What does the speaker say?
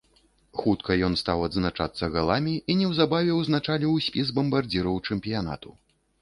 Хутка ён стаў адзначацца галамі і неўзабаве ўзначаліў спіс бамбардзіраў чэмпіянату.